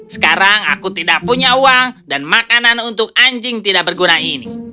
sekarang aku tidak punya uang dan makanan untuk anjing tidak berguna ini